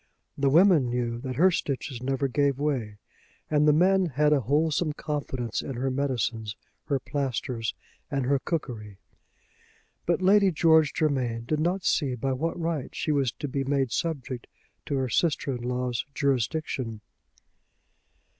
The women knew that her stitches never gave way, and the men had a wholesome confidence in her medicines, her plasters, and her cookery. But Lady George Germain did not see by what right she was to be made subject to her sister in law's jurisdiction.